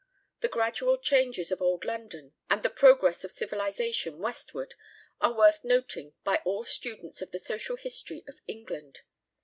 The gradual changes of Old London, and the progress of civilisation westward, are worth noting by all students of the social history of England.